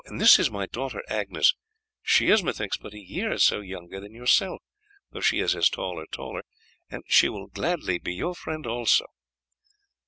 "This is my daughter Agnes. She is, methinks, but a year or so younger than yourself, though she is as tall or taller, and she will gladly be your friend also."